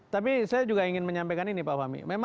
tapi saya juga ingin menyampaikan ini pak fahmi